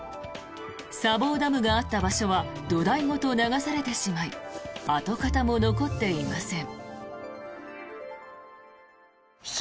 砂防ダムがあった場所は土台ごと流されてしまい跡形も残っていません。